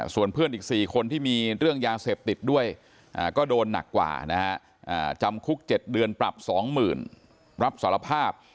ส่วนเพื่อนอีก๔คนที่มีเรื่องยาเสพติดด้วยก็โดนหนักกว่านะฮะจำคุก๗เดือนปรับ๒๐๐๐รับสารภาพ